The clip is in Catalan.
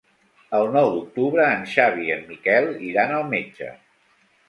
El nou d'octubre en Xavi i en Miquel iran al metge.